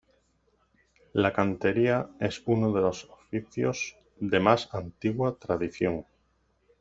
La cantería es uno de los oficios de más antigua tradición.